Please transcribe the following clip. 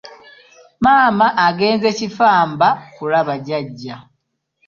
Maama agenze Kifamba kulaba jjajja.